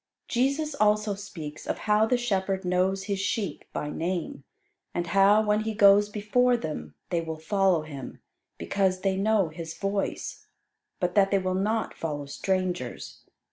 Jesus also speaks of how the shepherd knows his sheep by name; and how, when he goes before them, they will follow him, because they know his voice, but that they will not follow strangers.